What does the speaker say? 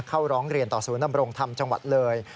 เข้าร้องเรียนต่อศูนย์นำรงธรรมจังหวัดเลย